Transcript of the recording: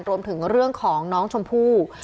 รวมถึงเรื่องของน้องชมพู่